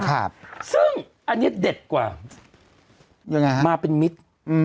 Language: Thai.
ครับซึ่งอันเนี้ยเด็ดกว่ายังไงฮะมาเป็นมิตรอืม